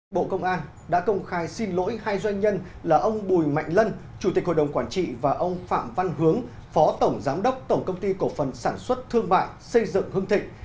bộ công an đã công khai xin lỗi hai doanh nhân là ông bùi mạnh lân chủ tịch hội đồng quản trị và ông phạm văn hướng phó tổng giám đốc tổng công ty cổ phần sản xuất thương mại xây dựng hưng thịnh